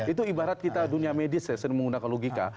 itu ibarat kita dunia medis menggunakan logika